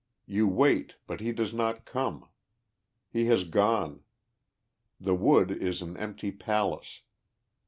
You wait, but he does not come. He has gone. The wood is an empty palace.